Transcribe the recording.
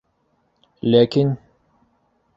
Ләкин...